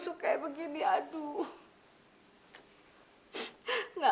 jika aku begini kamu tak akan tersusuk seperti ini